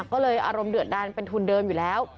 ก็เลยอารมณ์เดือดดันเป็นทุนเดิมอยู่แล้ว